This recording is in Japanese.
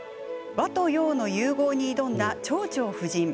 和と洋の融合に挑んだ「蝶々夫人」。